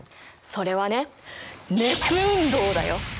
それはね「熱運動」だよ！